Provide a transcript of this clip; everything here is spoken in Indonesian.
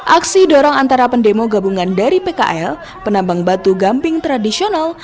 aksi dorong antara pendemo gabungan dari pkl penambang batu gamping tradisional